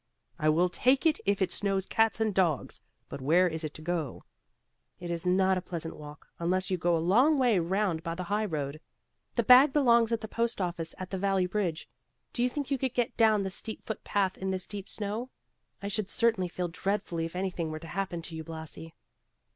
"I will take it if it snows cats and dogs; but where is it to go?" "It is not a pleasant walk, unless you go a long way round by the high road. The bag belongs at the post office at the Valley bridge. Do you think you could get down the steep foot path in this deep snow? I should feel dreadfully if anything were to happen to you, Blasi."